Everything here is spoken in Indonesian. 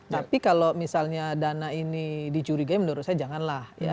tapi kalau misalnya dana ini dicurigai menurut saya janganlah ya